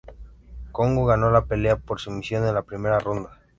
Kongo ganó la pelea por sumisión en la primera ronda.